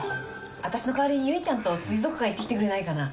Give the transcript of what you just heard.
私の代わりに結ちゃんと水族館行ってきてくれないかな。